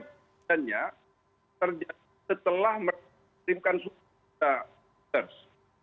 setelah menerima suatu pindah ke keders